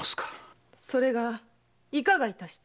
それがいかが致した？